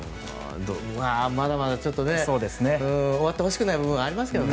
まだまだ終わってほしくない部分はありますけどね。